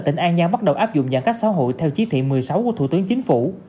tỉnh an giang bắt đầu áp dụng giãn cách xã hội theo chí thị một mươi sáu của thủ tướng chính phủ